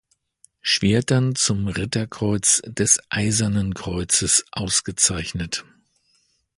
Schwertern zum Ritterkreuz des Eisernen Kreuzes ausgezeichnet.